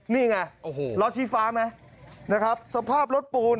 นี่ไงโอ้โหล้อชี้ฟ้าไหมนะครับสภาพรถปูน